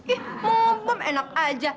ih mau ngebom enak aja